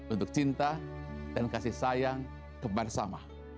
untuk cinta dan kasih sayang kebarsama